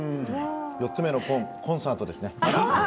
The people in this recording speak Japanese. ４つ目のこんコンサートですね。